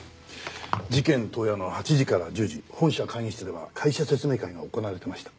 事件当夜の８時から１０時本社会議室では会社説明会が行われてました。